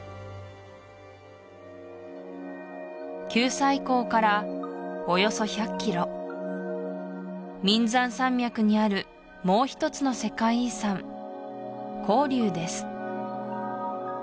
九寨溝からおよそ１００キロ岷山山脈にあるもうひとつの世界遺産黄龍です